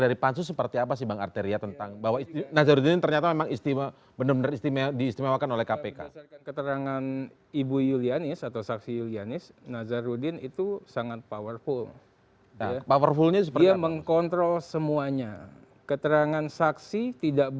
dari pancu sendiri mendapatkan cerita tentang apa